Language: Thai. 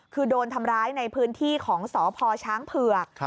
คือโดนทำร้ายในพื้นที่ของสพช้างเผือก